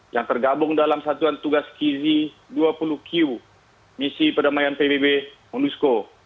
yang tergabung dalam satuan tugas kizi dua puluh q misi perdamaian pbb unusco